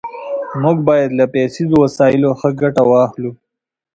موږ بايد له پيسيزو وسايلو ښه ګټه واخلو.